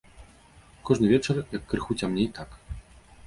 Кожны вечар, як крыху цямней, так.